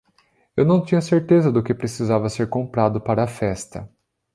Eu não tinha certeza do que precisava ser comprado para a festa.